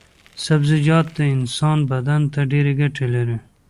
سبزيجات د انسان بدن ته ډېرې ګټې لري.